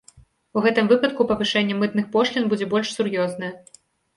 У гэтым выпадку павышэнне мытных пошлін будзе больш сур'ёзнае.